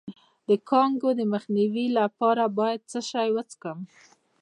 د کانګو د مخنیوي لپاره باید څه شی وڅښم؟